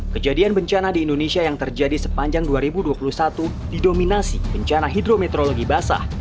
kejadian bencana di indonesia yang terjadi sepanjang dua ribu dua puluh satu didominasi bencana hidrometeorologi basah